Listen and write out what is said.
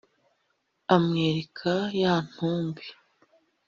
amwereka ya ntumbi,